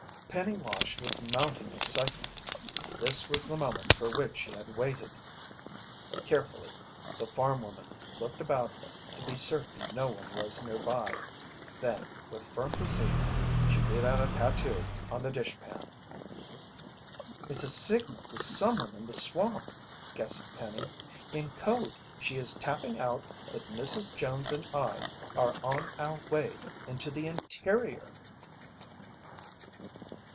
Penny watched with mounting excitement. This was the moment for which she had waited! Carefully, the farm woman looked about to be certain no one was nearby. Then with firm precision, she beat out a tattoo on the dishpan. "It's a signal to someone in the swamp!" guessed Penny. "In code she is tapping out that Mrs. Jones and I are on our way into the interior!"